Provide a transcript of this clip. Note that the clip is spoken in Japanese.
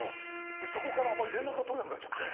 そこからあまり連絡が取れなくなっちゃって。